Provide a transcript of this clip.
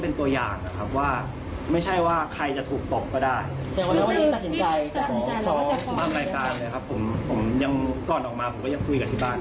ฟร้อมครับยังไว้ฟร้อมอยู่